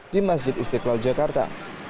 di masjid istiqlal jakarta